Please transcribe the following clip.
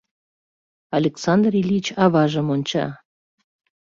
Александр Ильич аважым онча.